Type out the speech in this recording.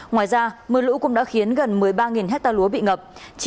ngoài ra mưa lũ cũng đã khiến gần một mươi ba hectare lúa bị ngập